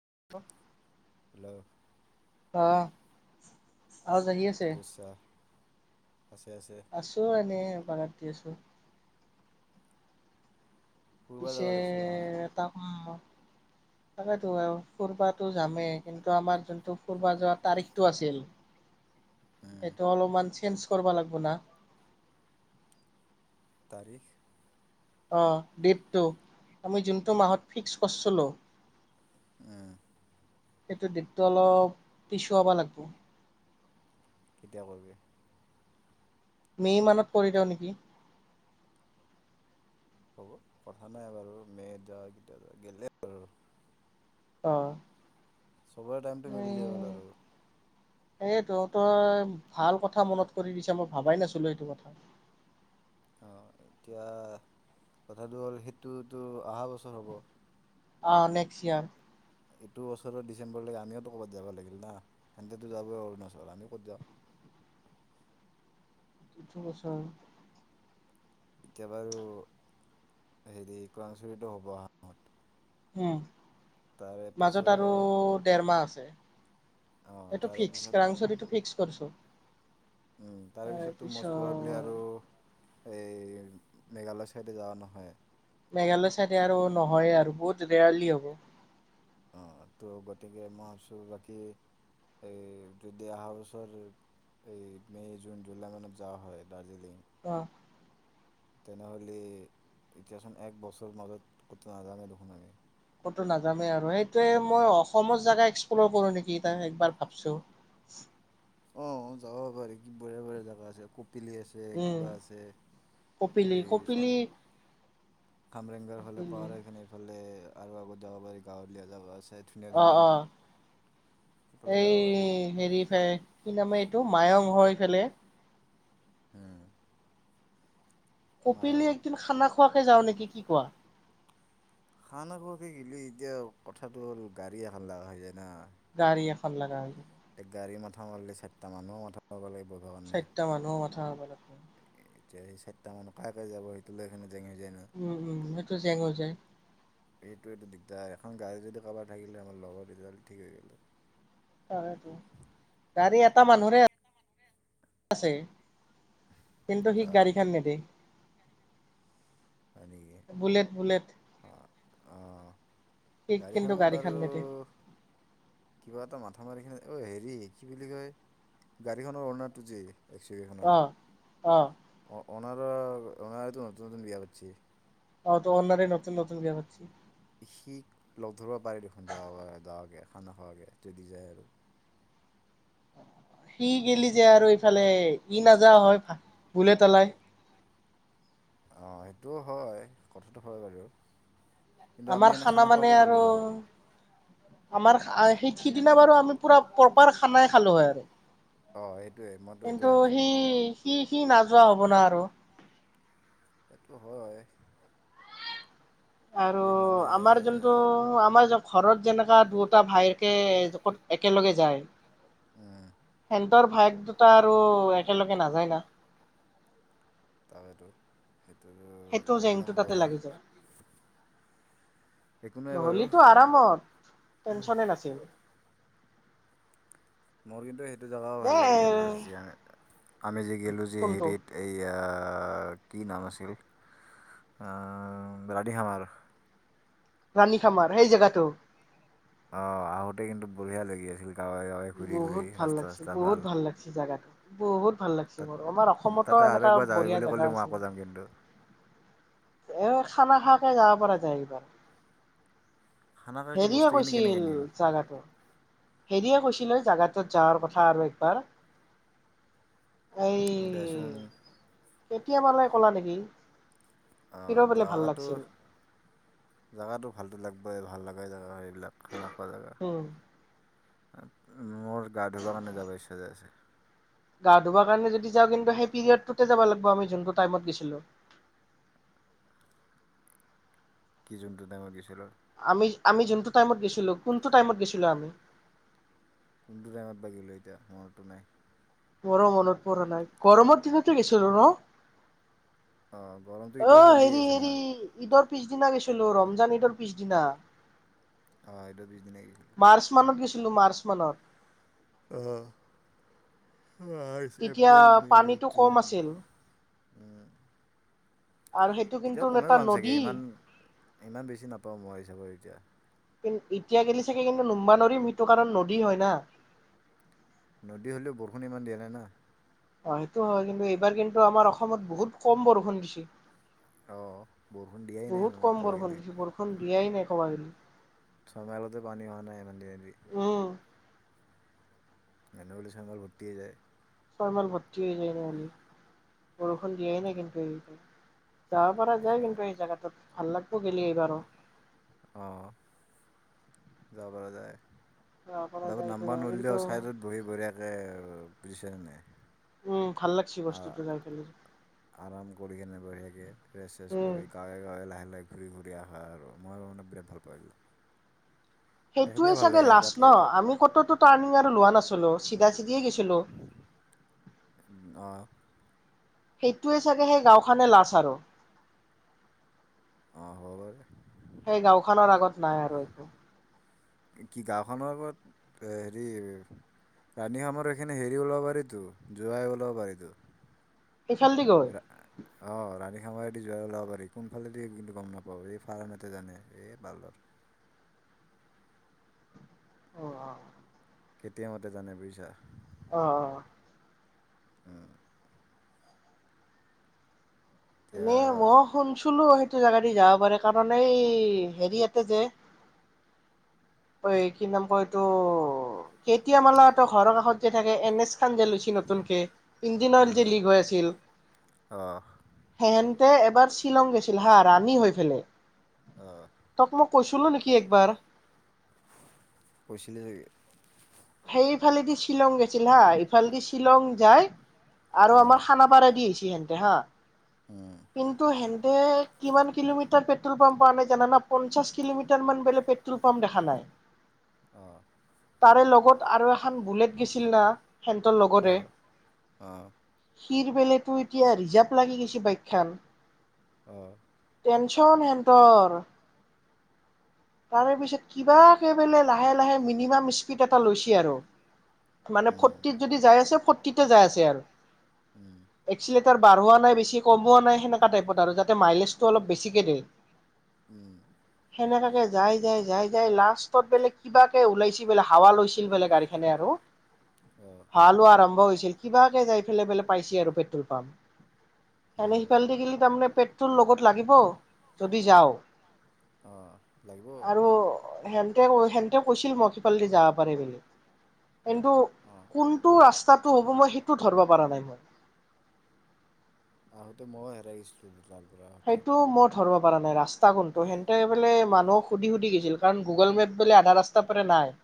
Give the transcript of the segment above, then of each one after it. [inaudible] Hello অ' অ' জাগি আছে। কি কৰিছা? আছে আছে আছোঁ এনেই এপাক শুই আছোঁ। ফুৰিব যাব পিছে লাগিছিল নহয়। তাক ম তাকেতো ফুৰবাটো যামেই। কিন্তু, আমাৰ যোনটো ফুৰবা যোৱা তাৰিখটো আছিল। উম, সেইটো অলপমান চেঞ্জ কৰিব লাগব না তাৰিখ অ' ডেটটো আমি যোনটো মাহত ফিক্স কৰছিলোঁ। উম। সেইটো ডেটটো অলপ পিছোৱাব লাগব। কেতিয়া কৰিবি? মে' মানত কৰি দিওঁ নেকি? হ'ব, কথা নাই বাৰু। মে'ত যাওঁ, কেতিয়া যাওঁ গেলে আৰু। অ'। চবৰে টাইমটো মিললে হ'ল আৰু। সেয়েটো তই ভাল কথা মনত কৰি দিছা, মই ভাবাই নাছিলোঁ এইটো কথা। অঁ এতিয়া কথাটো হ'ল সেইটোতো অহা বছৰ হ'ব অ 'নেক্স ইয়াৰ এইটো বছৰ ডিচেম্বৰলৈকে আমিওতো ক'ৰবাত যাব লাগিল না, সেতেটো যাবই অৰুণাচল আমিও ক'ত যাওঁ [unintelligible] বছৰ এতিয়া বাৰু হেৰি [unintelligible] হ'ব [unintelligible] হম তাৰে মাজত আৰু পিছত দেৰমাহ আছে অ' এইটো তাৰে পিছত ফিক্স [unintelligible] ফিক্স কৰছো তাৰেপিছততো ম'ষ্ট প্ৰভেবলি আৰু তাৰপিছত এই মেঘালয় চাইডে যাৱা নহয় মেঘালয় চাইডে আৰু নহয়ে আৰু বহুত ৰেয়াৰলি হ'ব অ ত' গতিকে মই [unintelligible] বাকী এই যদি অহা বছৰ এই মে জুন জুলাই মানত যোৱা হয় দাৰ্জিলিং আহ তেনেহ'লে এতিয়াচোন এক বছৰ মাজত ক'তো নাযামেই দেখোন আমি [unintelligible] নাজামেই আৰু সেইটে মই অসমৰ জেগা এক্সপ্ল'ৰ কৰো নেকি এ একবাৰ ভাবছো অ' যাব পাৰি কি বৰহিয়া বৰহিয়া জাগা আছে খুব [unintelligible] আছে উম কিবা আছে কপিলি এই কপিলি খামৰেংগৰ ফালে কপিলি পোৱাৰ কাৰণে ইফালে আৰু আগত যাব পাৰি। গাঁৱলীয়া জাগা আছ অ' অ'। সেইফালে এই যাব পাৰি হেৰিফাই কি নামে- টো মায়ং হৈ ফালে। উম, কপিলী, মায়ং একদিন খানা খোৱাকে যাওঁ নেকি, কি কোৱা? খানা খোৱাকে গিলি এতিয়া কথাটো হ'ল, গাড়ী এখান লাগা হৈ যায় না। গাড়ী এখন লাগা হৈ। তে গাড়ী মাথা মাৰিলে চাৰিটা মানুহও মাথা মাৰিব লাগি- চাৰিটা মানুহও মাথ- থা [unintelligible] এতিয়া সেই চাৰিটা মানুহ কাই কাই যাব, সেইটো লৈ কেনে- উম উম, সেইটো জেং হৈ যায়। সেইটোৱেটো দিগদাৰ। এখন গাড়ী যদি কাৰোবাৰ থাকিলে আমাৰ লগৰ, তিতিয়াহ'লে ঠিক হৈ গেল হৈ। তাকেইতো। গাড়ী এটা মানুহৰে আছে। কিন্ত সি কাৰ গাড়ীখান নেদে। হয় নি- বুলেট, বুলেট। অ'। থিক কিন্তু গাড়ীখনত বাৰু গাড়ীখান নেদে। কিবা এটা মাথা মাৰি কেনে, অহ হেৰি, কি বুলি কয়, গাড়ীখনৰ অ'নাৰটো যে- এক্স-ইউ-ভি খনৰ। অ অ' অ'নাৰৰ, অ'নাৰেটো নতুন নতুন বিয়া পাতিছে। অ' ত' অ'নাৰে নতুন নতুন বিয়া পাতছি। সি লগ ধৰিবা পাৰে দেখোন যোৱাৰ যাৱাকে, খানা খোৱাকে। যদি যায় আৰু। সি গিলি যে আৰু ইফালে ই নাযাৱা হয়, ভা, বুলেট ওলাই। অ' সেইটোও হয়। কথাটো হয় বাৰু। কিন্তু আমি আমাৰ এনে খানা মানে খোৱাকে গ'লোঁ হয় আৰু- আমাৰ আ' সেই সিদিনা বাৰু আমি পুৰা প্ৰপাৰ খানাই খালোঁ হয় আৰু। অঁ সেইটোৱে মইতো এইটোৱে কিন্তু, ভাবিছোঁ সি সি- সি নাযোৱা হ'ব না আৰু। সেইটো হয়। আৰু এই মানে আমাৰ যোনটো, আমাৰ য- ঘৰত যেনেকা দুৱো- টা ভায়েকে জ ক'ত একেলগে- যায়। উম, হেল- তোৰ ভায়েক দুটা আৰু একেলগে নাযায় না। তামীৰ সেইটো সেইটো জেংটো প্ৰব্লেম তাতে হ'ল লাগি নহ'লেিতো আৰামত টেনচনে নাছিল মোৰ কিন্তু সেইটো জেগাও দে ভাল লাগে লাজ যে আমি যি গলোঁ যেি কোনটো হেৰিত এইয়া ন ৰাণী খামাৰ সেই জেগাটো অ আহোতে কিন্তু বঢ়িয়া লাগি আছিল। গাঁৱে গাঁৱে ঘূৰি ঘূৰি বহুত ভাল ৰাস্তা লাগছে চাস্তা বহুত ভাল লাগিছে জেগাটো বহুত ভাল লাগছে তাত মোৰ আমাৰ উম, তাতে অসমতো আৰু এনেকুৱা একবাৰ যাবি বুলি বঢ়িয়া ক'লে জোগা মই আছে। আকৌ যাম কিন্তু এ খানা খোৱাকে যাব পৰা যায় এইবাৰ, সেনেকৈ হেৰিয়ে বস্তুখিনি কেনেকৈ কৈছিল নিম জাগাটো হেৰিয়ে কৈছিলে জাগা, যাৱাৰ কথা আৰু একবাৰ এই বেচোন কেতিয়াবালে কলা নেকি? অ হিৰ' বোলে ভাল জাগাটো লাগছিল জাগাটো ভালটো লাগিব। ব ভাল লগা জেগা, এইবিলাক খানা খোৱা জেগা, উম মোৰ গা ধুবৰ কাৰণে যাব ইচ্ছা যে আছে। গা ধুব কাৰ যদি যওঁৰি লাগ গ কি জোনটো দা ম গৈছিল। আমি আমি যোনটো টাইমত গেছিলো কোনটো ইমত গেছিলো আমি কোনটো টাইমত বাগিললো এতিয়া মৰতটো নাই, মোৰ মনত পৰে নাই গৰমৰ দিনতে গেছিলো ন অঁ গৰমটো এতিয়াও আহ চলিয়ে হেৰি আছে না হেৰি ঈদৰ পিছদিনা গেছিলো ৰমজান এইটোৰ পিছদিনা। অ এইটো বিছদিন গৈছিলো। ছিলো মাৰ্চ মানত। আহ। মাৰ্চ, তেতিয়া এপ্ৰিল, মে, পানীটো কম জুন আছিল। আৰু সেইটো কিন্তু এতিয়াও কমেই এটা পাম চাগে নদী ইমান ইমান বেছি নাপাওঁ মই হিচাপে এতিয়া। কিন্তু এতিয়া গিলে চাগে কিন্তু নুম্বা নৰিম সেইটো কাৰণ নদী হয় না। নদী হ'লেও বৰষুণ ইমান দিয়া নাই না। অ সেইটো হয় কিন্তু এইবাৰ কিন্তু আমাৰ অসমত বহুত কম বৰষুণ দিছে। অ বৰষুণ দিয়াই নাই ম মোক ক'বাগিলি। বিয়াই নাই ক'বাগিলি। চতালতে পানী অহা নাই ইমান দিনে। উম গানডগলী চাঘাৰ ভৰ্তি যায়। চয়মল ভৰ্তি হৈ যায় ন হলি বৰষুণ দিয়াই নাই কিন্তু এইবাৰ। যাব পৰা যায় কিন্তু এই সেইকাৰণে- জেগাটোত। ভাল লাগিব এইবাৰ গেলে আৰু। আহ য বাৰ যায়। যাব পৰা বাবু যায় এইটো নাম্বাৰ জেগা কিন্তু নৰিলেেও ছাইডত বহি বঢ়িয়াকে বুইছেনে নাই। উম। ভাল লাগছি বস্তুটো যাই পেলাই। কৰিকেনে বঢ়িয়া কে ড্ৰেছ চেছ উম কৰি গাঁৱে গাঁৱে লাহে লাহে ঘূৰি ঘূৰি আহা আৰু মই মানে বিৰাট ভাল পাওঁছিলোঁ। সেইটোৱে চাগে লাষ্ট ন আমি কততো টাৰ্ণিং আৰু লোৱা নাছিলো। টো চিধা চিধি দয়ে গৈছিলো। অঁ সেইটোৱে চাগে সেই গাওখনে লাচ আৰু। অ হব পাৰে। সেই গাঁওখনৰ আগত নাই আৰু একো। কি গাঁওখনৰ ওৰত হেৰি ৰাণী খামৰ এইখিনি হেৰি ওলাব পাৰিতো জোৰাই ওলাব পাৰিতো। এইফালদি গৈ সেমাইদি যোৱাই ওলাব পাৰি কোনফালেদি কিন্তু গম নাপাওঁ এই ফাৰ্ম এটা জানে এইফালৰ অ আহ। কেতিয়া মতে জানে বুজিছা। অ অ। উম এনে মই এতিয়া শুনছিলো সেই জোগা দি যাব পাৰে কাৰণ এই হেৰি ইয়াতে যে এই কি নাম ক এইটো কেতিয় মালা ত' ঘৰৰ কাষত যে থাকে এনে লৈছিল নতুনক ইঞ্জিন অইল যে লিক হৈ আছিল আহ সেষণ তে এবাৰ শ্বিলং গৈছিল হা ৰাণী হৈ পেলাই। আহ তোক মোক কৈছিলো নেকি একবাৰ। বিন [unintelligible] সেইফালেদি শ্বিলং গেছিল হা এইফালেদি শ্বিলং যায়। আৰু উম আমাৰ খানা পাৰাই দি আহিছি। তে হেহেন্তে হা। উম কিন্তু হেন কিমান কিলোমিটাৰ পেট্ৰল পাম্প প নাই জানানা পঞ্চাশ কিলোমিটাৰ মান বোলে পেট্ৰল পাম্প দেখা নাই। অহ ', তাৰে লগত আৰু খখন বুলেট গছিল না হেনতৰ লগৰে। আহ আহ কিৰ বেলেতো এতিয়া ৰিজাৰ্ভ লাগি গৈছে বাইকখন। অহ', টেনশচন হেনতৰ। তাৰে পিছত কিব কৈ বলে লাহে - লাহে মিনিমাম স্পীড এটা লৈছে আৰু। মানে উম ফৰটিত যদি যাই আছে ফৌৰটিতে যাই আছে আৰু। উম এইছিলে বঢ়োৱা নাই বেছি কম হোৱা নাই। আৰু যাতে মাইলেজটো অলপ বেছিকে দে। উম সনেকাকে যাই - যাই - যাই - যাই লাষ্টত বোলে কিবাকে ওলাইছে বোলে হাৱা লৈছিল বোলে গাড়ীখনে আৰু। অ ভালো আৰম্ভ হয়ছি কিবাকে জাই ফেলে পাইছি আৰু পেট্ৰল পাম্প আমি উম সিফাল দি গেলি তাৰমানে পেট্ৰল লগত লাগিব যদি যাও। অহ ', আৰু হে সেহতেও কৈছিল মই সিফালদি যাব পাৰেি বুলি। কিন্তু অ কোনটো ৰাস্তাত টো হ'ব মই সেইটোও ধব পৰা নাই মই। আহোতে ময়ো হেৰাই গৈছিলো দুডাল সেইটো মই ধৰিব পৰা নাই ৰাস্তা। তাকোনটো সেনটে বোলে মানুক সুধি-সুধি গৈছিল কাৰণ গুগল মেপ, বোলে আধা ৰাস্তা পৰা নাই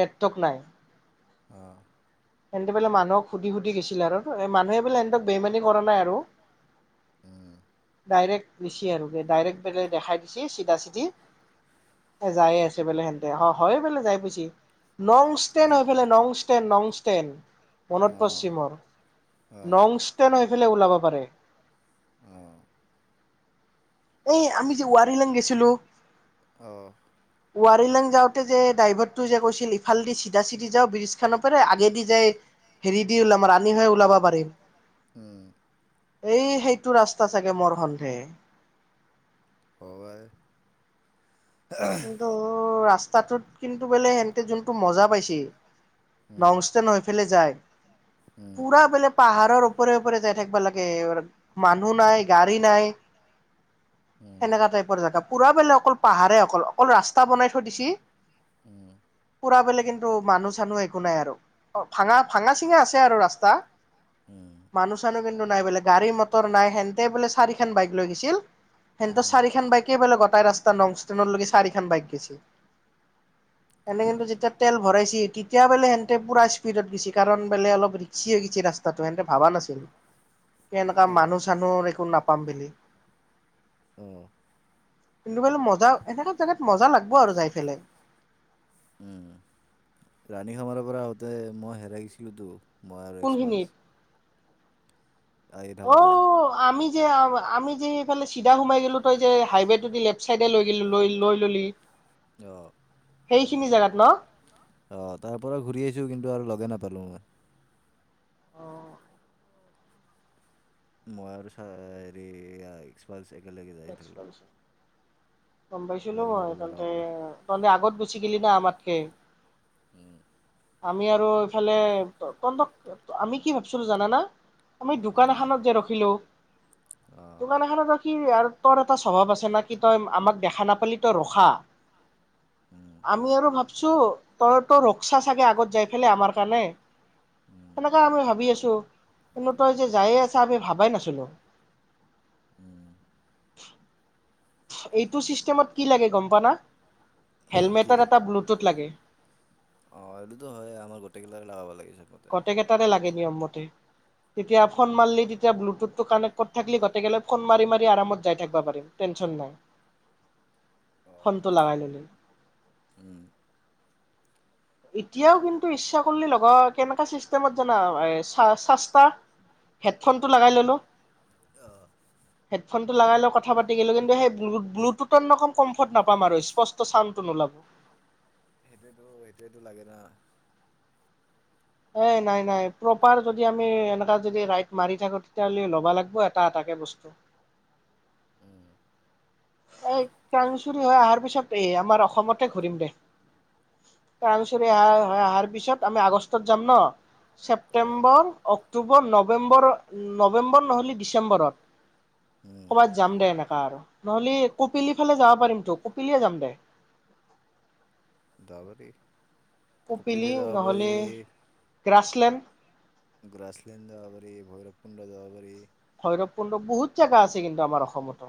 নেটৰ্ক নাই। অহ সেহতে বলে মানুহক সুধি-সুধি গৈছিল আৰু মানুহে বোলে সহতক বেইমমানি কৰা নাই আৰু। উম ডাইৰেক্ট দিছি আৰু ডাইৰেক্ট বেলে দেখাই দিছে চিধা চিধি যায়ে আছে বোলে হেনতে অ' হয় বোলে যাই পাইছি। নংষ্টে এ, হৈ ফালে নংষ্টে নং মনত অ', পৰছি মৰ অ', নংষ্টষ্টেন হৈ পেলাই ওলাব পাৰে। অ', এই আমি যে ৱাৰ লাং গেছিলো। অহঁ ৱাৰ লাং যাওঁতে যে ড্ৰাইভাৰটো যে কৈছিল ইফালেদি চিধা চিধি যাওঁ ব্ৰীজ খানৰ পৰাৰে আগেদি যাই হেৰি দি উলাম। আমিহে ওলাব পাৰিম। উম, এই সেইটো ৰাস্তা চাগে মোৰ সন্ধে। হব পাৰে। কিন্তু ৰা ৰাস্তাটোত কিন্তু বোলে সনতে যোনটো মজা পাইছি। উম, নংচতে নহয়। ফেলে যায়। উম, পুৰা বোলে। পাহাৰৰ ওপৰে-ওপৰে যাই থাকিবা লাগে মানুহ নাই গাড়ী নাই। উম, সেনেকা টাইপৰ জেগা। পুৰা বেলে অকল পাহাৰে অকল। অকল ৰাস্তা বনাই থৈ দিছি উম পুৰা বলে কিন্তু মানুহ চানুহ একো নাই আৰু ভাঙা-ভাঙা চিঙা আছে আৰু ৰাস্তা। উম, মানুহ-চানুহ কি নাই বোলে গাড়ী মটৰ নাই সেনেতে বোলে চাৰি খন বাইক লৈ গেইছিল। সেনটো উম, চাৰিখন বাইকে বলে গটাই ৰাস্তাংষ্টেডত ল। খন বাইক দিছে এনে কিন্ত অ', যেতিয়া তেল ভৰাইছে টি কেতিয়া বোলে সিহতে পুৰা স্পীডত গিছি কাৰণ বোলে অলপ ৰিক্সি হৈ গৈছে ৰাস্তাটো হিহতে ভাবা নাছিল কে এনেুৱা অ'। মানুহ-চানুহ একো নাপ পামবিলি উম কিন্তু বলে মজা এনেকে জাগাত মজা লাগব আৰু যাই ফেলে উম ৰাণী খামাৰৰ পৰা আহোতে মই হেৰাই গিছিলোতো। ময় আৰু কোনখিনিত এক্সপালছ। আহি অ থাকোঁতে আমি যে আৱ- আমি যে এইফালে চিধা সোমাই গে'লো, তই যে হাইৱেটোদি লেফ্ট চাইডে লৈ গেলি- লৈ- লৈ ললি। অ'। সেইখিনি জাগাত ন'? অ' তাৰপৰা ঘূৰি আহিছোঁ, কিন্তু আৰু লগে নাপালোঁ মই। অ'। মই আৰু ছা- হেৰি [unintelligible] যায়ে থাকিলোঁ এক্সপেনচিভ। গম পাইছিলো লগে মই নাপালোঁ আৰু আকৌ। তন্তে- তন্তে আগত গুচি গেলি না আমাতকে। আমি আৰু এইফালে- তন্তক আমি কি ভাবিছিলো জানানা? আমি দোকান এখানত যে ৰখিলোঁ অ', দোকানখনত কি আৰু তোৰ এটা স্বভাৱ আছে ন কি তই আমাক দেখা নাপালি তই ৰখা। উম, আমি আৰু ভাবছো তই তো ৰখছা চাগে আগত যাই পেলাই আমাৰ কাৰণে, উম, সেনেককাে আমি ভাবি আছো কিন্তু তই যে যায়ে আছ আমি ভাবাই নাছিলো। উম, এইটো চিষ্টেমত কি লাগে গম প না? কি হেলমেটৰ এটা ব্লুটুথ লাগে। অ' এইটোতো হয় আমাৰ গোটেইকিলাকে লগাব লাগিছে। গোটকেইটাৰে লাগে নিয়ম মতে, তেতিয়া ফোন মাৰলি তেতিয়া ব্লুটুথটো কানেক্ট কৰ থাকলি গোটেই গালে ফোন মাৰি মাৰ আমতাই থাকবা পাৰিম টেনচন নাই। অ', ফোনটো লগাই ল'লে। উম, এতিয়াও কিন্তু ইচ্ছা কৰিল লগৰ কেনেক চিষ্টেম জানা? এ চাচ-চাচটা হেডফোনটো লগাই ললো। অ', হেডফোনটো লগাই লগৈ কথা পাতি গলোঁ কিন্তুেই ব্লুট-ব্লুটুথ কম কম্ফৰ্ট নাপাম আৰু স্পষ্ট চাউণ্টো নোলাব। টো লাগে না। এ নাই নাই প্ৰপাৰ যদি আমি এনেকা যদি ৰাইদ মাৰি থাকো তেতিয়াাহলে ল'বা লাগিব এটা এটাকে বস্তু। উম, এই কাংচৰি হৈ অহাৰ পিছত এ আমাৰ অসমতে ঘূৰিম দে। কংচৰি অহা হৈ অহাৰ পিছত আমি আগষ্টত যাম ন। অ', ছেপ্টেম্বৰ অক অক্টোবৰ নৱেম্বৰ নৱেম্বৰ নহ'লে উম, ডিচেম্বৰত। কৰ'ৰবাত যাম দে এনেকা আৰু। হলি কপিলী ফালে যাৱা পাৰিম তো। কপিলীয়ে যাম দে। যাব পাৰি কপিলী কপিলে যাব নহলে পাৰি। গ্ৰাছলেণ্ড। গ্ৰাছলেণ্ড যাবা পাৰি, ভৈৰৱকুণ্ড যাবা পাৰি। ভৈৰৱকুণ্ড- বহুত জাগা আছে কিন্তু আমাৰ অসমতো।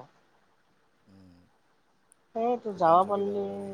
উম, সেয়েটো ভূটান যাবা চকী যাব পাল্লি পাৰি।